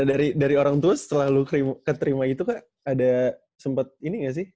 nah dari orang tua setelah lu keterima itu kan ada sempet ini nggak sih